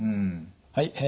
はい。